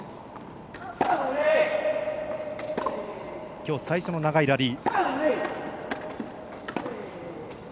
きょう最初の長いラリー。